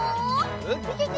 ウキキキ！